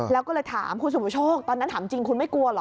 แล้วก็เลยถามคุณสุประโชคตอนนั้นถามจริงคุณไม่กลัวเหรอ